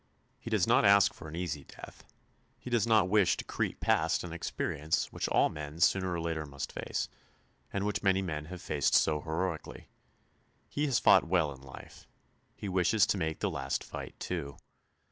He does not ask for an easy death; he does not wish to creep past an experience which all men sooner or later must face, and which many men have faced so heroically. He has fought well in life; he wishes to make the last fight too.